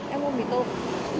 em mua mì tôm